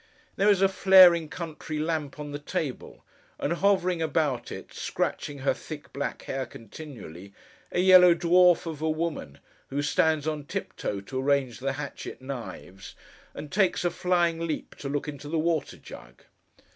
There is a flaring country lamp on the table; and, hovering about it, scratching her thick black hair continually, a yellow dwarf of a woman, who stands on tiptoe to arrange the hatchet knives, and takes a flying leap to look into the water jug.